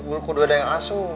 udah ada yang asuh